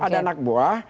ada anak buah